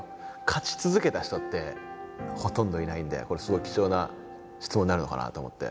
勝ち続けた人ってほとんどいないんでこれすごい貴重な質問になるのかなと思って。